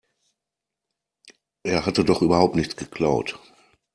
Er hatte doch überhaupt nichts geklaut.